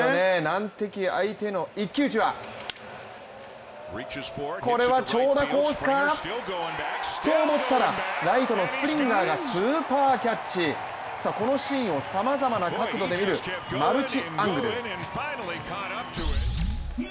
難敵相手の一騎打ちはこれは長打コースか？と思ったらライトのスプリンガーがスーパーキャッチ、このシーンをさまざまな角度で見るマルチアングル。